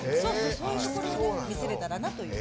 そういうところを見せれたら。